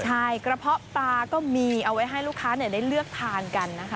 ใช่กระเพาะปลาก็มีเอาไว้ให้ลูกค้าได้เลือกทานกันนะคะ